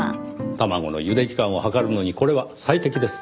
卵のゆで時間を計るのにこれは最適です。